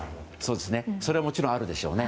それももちろんあるでしょうね。